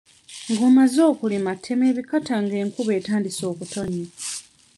Ng'omaze okulima tema ebikata ng'enkuba etandise okutonnya.